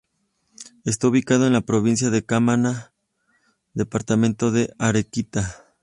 Está ubicado en la provincia de Camaná, departamento de Arequipa.